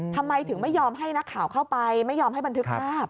ทำไมถึงไม่ยอมให้นักข่าวเข้าไปไม่ยอมให้บันทึกภาพ